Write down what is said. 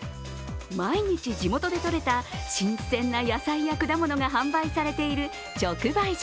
毎日地元でとれた新鮮な野菜や果物が販売されている直売所。